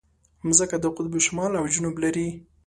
مځکه د قطب شمال او جنوب لري.